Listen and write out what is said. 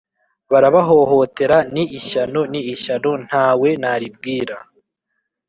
barabahohotera! Ni ishyano! Ni ishyano nta we naribwira